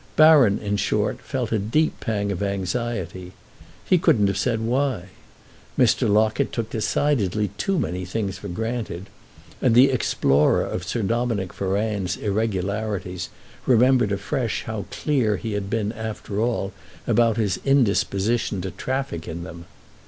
Baron, in short, felt a deep pang of anxiety; he couldn't have said why. Mr. Locket took decidedly too many things for granted, and the explorer of Sir Dominick Ferrand's irregularities remembered afresh how clear he had been after all about his indisposition to traffic in them.